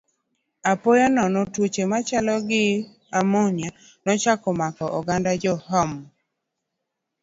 Apoya nono, tuoche machalo gi pneumonia nochako mako oganda Jo-Hun.